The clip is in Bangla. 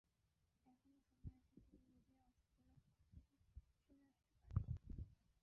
এখনো সময় আছে, তিনি নিজের অশুভ লক্ষ্য থেকে সরে আসতে পারেন।